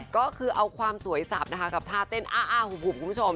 ก็คือเอาความสวยสับนะคะกับท่าเต้นอ้าหุบคุณผู้ชม